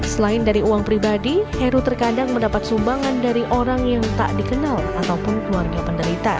selain dari uang pribadi heru terkadang mendapat sumbangan dari orang yang tak dikenal ataupun keluarga penderita